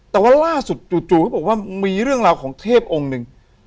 แต่ว่าล่าสุดจู่เขาบอกว่ามีเรื่องราวของเทพองค์หนึ่ง